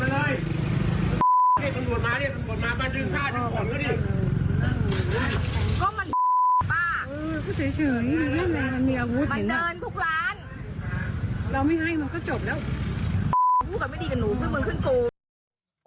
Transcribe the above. มันเหมือนว่าเพียงแล้ว